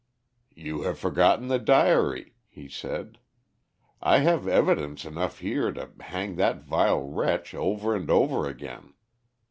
"You have forgotten the diary," he said. "I have evidence enough here to hang that vile wretch over and over again.